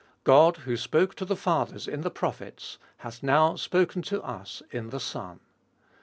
God, who spoke to the fathers in the prophets, hath now spoken to us in the Son.